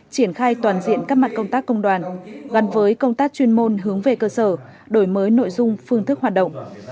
triển khai toàn diện các mặt công tác công đoàn gắn với công tác chuyên môn hướng về cơ sở đổi mới nội dung phương thức hoạt động